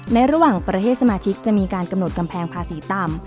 ระหว่างประเทศสมาชิกจะมีการกำหนดกำแพงภาษีต่ำ